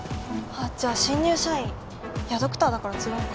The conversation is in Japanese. じゃあ新入社員いやドクターだから違うか。